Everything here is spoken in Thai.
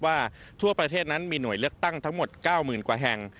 ทั่วประเทศนั้นมีหน่วยเลือกตั้งทั้งหมด๙๐๐กว่าแห่ง